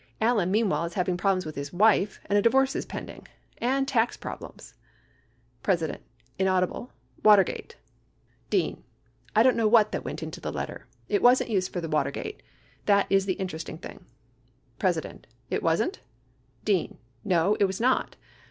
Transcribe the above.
Allen, meanwhile, is having problems with his wife, and a divorce is pending. And tax problems President. [inaudible] Watergate Dean. I don't know what that went in the letter. It wasn't used for the Watergate. That is the interesting thing. President. It wasn't? Dean. No it was not.